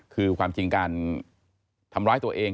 คือความจริงการทำร้ายตัวเอง